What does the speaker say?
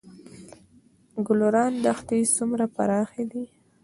ګلران دښتې څومره پراخې دي؟